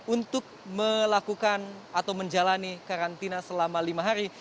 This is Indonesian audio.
untuk melakukan atau menjalani karantina selama lima hari